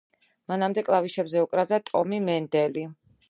მანამდე, კლავიშებზე უკრავდა ტომი მენდელი.